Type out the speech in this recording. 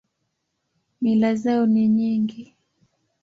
Mila zao ni nyingi.